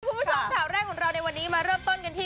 ขอบใจทุกคนผู้ชมชาวแรกของเราในวันนี้มาเริ่มต้นกันที่